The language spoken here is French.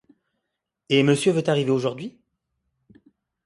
Et monsieur veut arriver aujourd'hui?